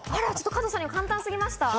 加藤さんには簡単すぎました？